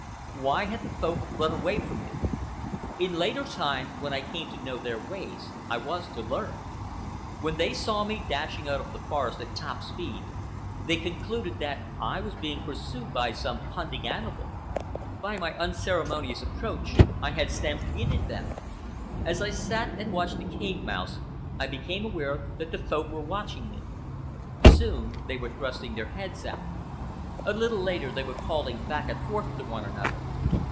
Why had the Folk run away from me? In later time, when I came to know their ways, I was to learn. When they saw me dashing out of the forest at top speed they concluded that I was being pursued by some hunting animal. By my unceremonious approach I had stampeded them. As I sat and watched the cave mouths I became aware that the Folk were watching me. Soon they were thrusting their heads out. A little later they were calling back and forth to one another.